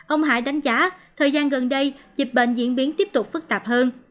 ông hải đánh giá thời gian gần đây dịch bệnh diễn biến tiếp tục phức tạp hơn